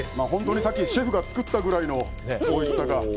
本当にシェフが作ったくらいのおいしさが。